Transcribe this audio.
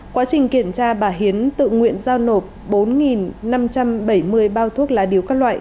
quá trình kiểm tra bà hiến tự nguyện giao nộp bốn năm trăm bảy mươi bao thuốc lá điếu